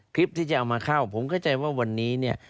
คลิปที่จะเอามาเข้าผมเข้าใจว่าวันนี้เนี่ย